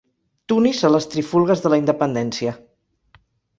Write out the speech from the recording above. Tunis a les trifulgues de la independència.